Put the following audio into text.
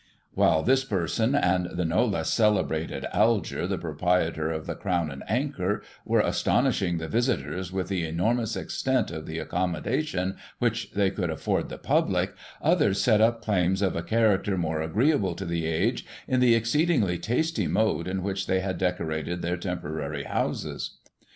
"While this person, and the no less celebrated Alger, the proprietor of the Crown and Anchor, were astonishing the visitors with the enormous extent of the accommodation which they could afford the public, others set up claims of a character more agreeable to the age in the exceedingly tasty mode in which they had decorated their temporary houses.